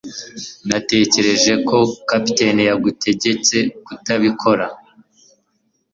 Natekereje ko capitaine yagutegetse kutabikora